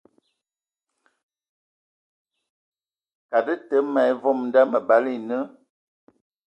Kad tə ma vom nda məbala e nə.